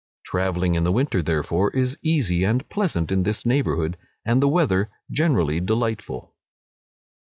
Travelling in the winter, therefore, is easy and pleasant in this neighbourhood, and the weather generally delightful.